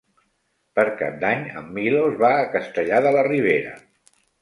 Per Cap d'Any en Milos va a Castellar de la Ribera.